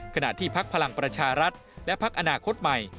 ขณะที่พักพลังประชารัฐและพักอนาคตใหม่